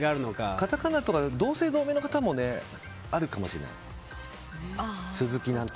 カタカナだと同姓同名の方もあるかもしれないです。